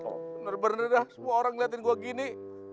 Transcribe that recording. bener bener dah semua orang ngeliatin gua gini